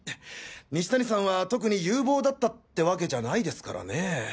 西谷さんは特に有望だったってわけじゃないですからね。